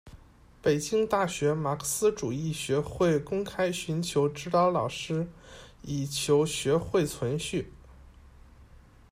北京大学马克思主义学会公开寻求指导老师》以求学会存续。